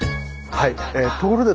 はい。